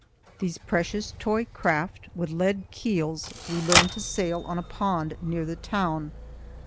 These precious toy craft with lead keels we learned to sail on a pond near the town.